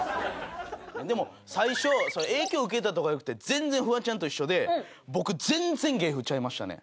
でも最初影響受けたとかじゃなくて全然フワちゃんと一緒で僕全然芸風ちゃいましたね。